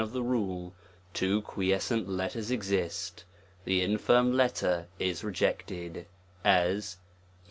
35 of the rule; two quieseent letters exist, the A *' infirm letter is rejected, as &*?